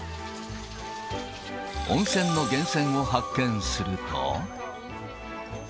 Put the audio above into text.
温泉の源泉を発見すると。